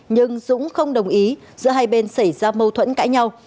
nhưng dũng không đồng ý giữa hai bên xảy ra mâu thuẫn cãi nhau